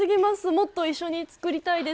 もっと一緒に作りたいです。